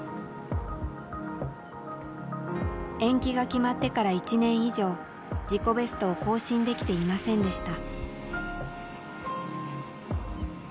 延期が決まってから１年以上自己ベストを更新できていませんでした。